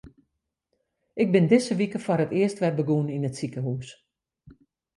Ik bin dizze wike foar it earst wer begûn yn it sikehús.